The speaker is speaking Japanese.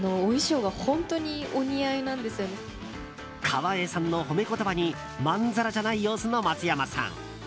川栄さんの褒め言葉にまんざらじゃない様子の松山さん。